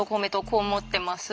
こう思ってます。